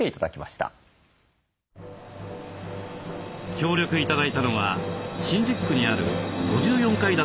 協力頂いたのは新宿区にある５４階建ての高層ビル。